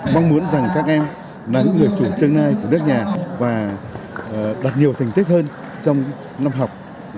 mong muốn rằng các em là những người chủ tương lai của đất nhà và đạt nhiều thành tích hơn trong năm học hai nghìn một mươi bảy hai nghìn một mươi tám